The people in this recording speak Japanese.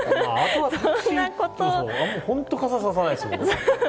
本当に傘ささないです。